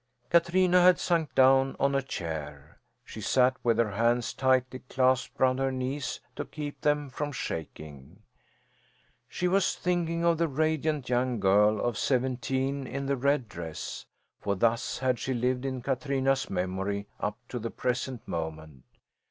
Katrina had sunk down on a chair. She sat with her hands tightly clasped round her knees to keep them from shaking. She was thinking of the radiant young girl of seventeen in the red dress; for thus had she lived in Katrina's memory up to the present moment.